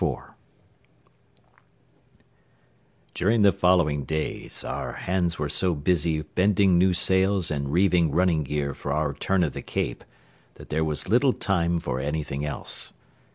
IV During the following days all hands were so busy bending new sails and reeving running gear for our turn of the Cape that there was little time for anything else.